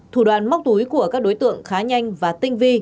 thủ đoàn móc túi của các đối tượng khá nhanh và tinh vi